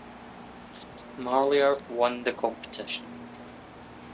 Marlier won the competition.